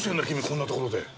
君こんなところで。